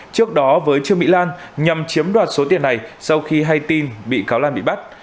trước đó với trương mỹ lan nhằm chiếm đoạt số tiền này sau khi hay tin bị cáo lan bị bắt